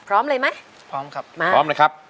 พร้อมเลยไหมมาพร้อมครับ